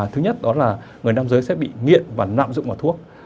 thứ nhất đó là người nam giới sẽ bị nghiện và nạm dụng vào thuốc